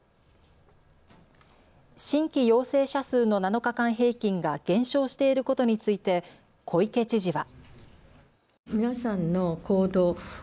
新規陽性者数の７日間平均が減少していることについて小池知事は。